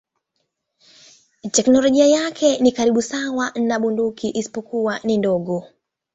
Teknolojia yake ni karibu sawa na ya bunduki isipokuwa ni ndogo.